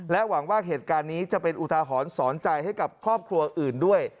หวังว่าเหตุการณ์นี้จะเป็นอุทาหรณ์สอนใจให้กับครอบครัวอื่นด้วย